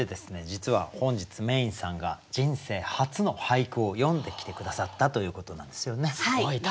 実は本日Ｍａｙ’ｎさんが人生初の俳句を詠んできて下さったということなんですよね。